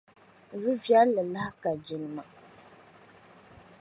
Yu'viɛlli lahi ka jilima.